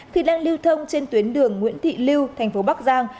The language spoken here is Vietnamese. khi đang lưu thông trên tuyến đường nguyễn thị lưu tp bắc giang